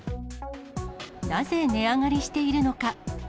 なぜ値上がりしているのか。